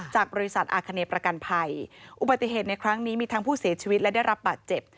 จากบริษัทอาคเนประกันภัยอุบัติเหตุในครั้งนี้มีทั้งผู้เสียชีวิตและได้รับบาดเจ็บ